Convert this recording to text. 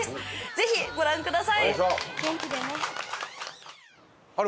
ぜひご覧ください！